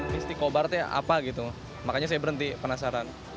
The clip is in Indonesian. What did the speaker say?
mie steak kobar itu apa gitu makanya saya berhenti penasaran